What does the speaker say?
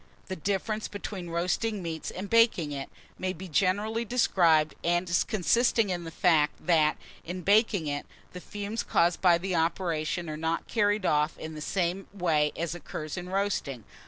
THE DIFFERENCE BETWEEN ROASTING MEAT AND BAKING IT, may be generally described as consisting in the fact, that, in baking it, the fumes caused by the operation are not carried off in the same way as occurs in roasting.